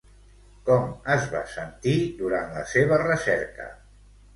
Com es va sentir durant la seva recerca?